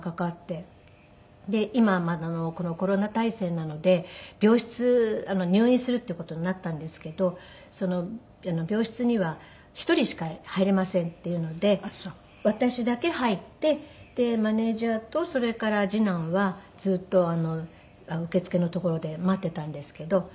今このコロナ態勢なので病室入院するっていう事になったんですけど病室には１人しか入れませんっていうので私だけ入ってでマネジャーとそれから次男はずっと受付の所で待っていたんですけど。